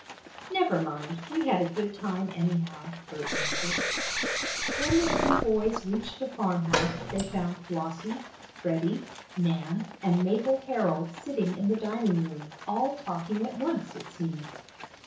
"Never mind, we had a good time, anyhow." Bert answered. When the two boys reached the farmhouse, they found Flossie, Freddie, Nan and Mabel Herold sitting in the dining room, all talking at once, it seemed.